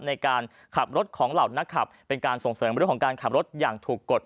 ในการขับรถของเหล่านักขับเป็นการส่งเสริมเรื่องของการขับรถอย่างถูกกฎ